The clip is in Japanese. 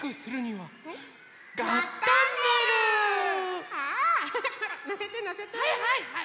はいはいはい。